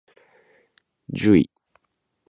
じゅい